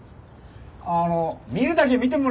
あの見るだけ見てもらえませんか？